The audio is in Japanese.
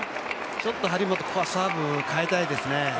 ちょっと張本、ここはサーブ変えたいですね。